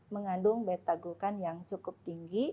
mengandung beta gulkan yang cukup tinggi